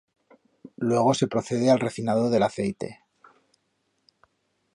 Luego se procede al refinado del aceite.